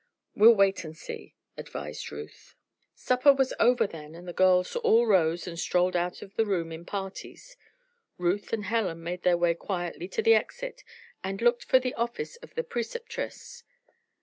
"We'll wait and see," advised Ruth. Supper was over then and the girls all rose and strolled out of the room in parties. Ruth and Helen made their way quietly to the exit and looked for the office of the Preceptress.